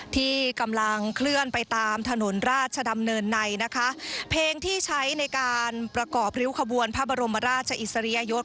ที่กำลังเคลื่อนไปตามถนนราชดำเนินในนะคะเพลงที่ใช้ในการประกอบริ้วขบวนพระบรมราชอิสริยยศ